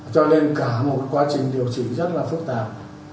cho nên cả một quá trình điều chỉnh rất là phức tạp